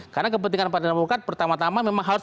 karena kepentingan partai demokrat pertama tama memang harus